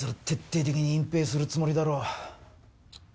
徹底的に隠蔽するつもりだろう